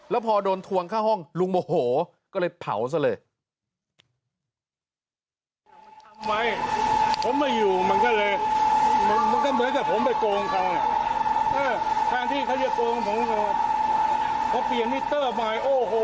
แล้วพอโดนทวงค่าห้องลุงโมโหก็เลยเผาซะเลย